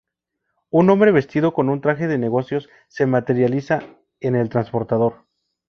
Un hombre vestido con un traje de negocios se materializa en el transportador.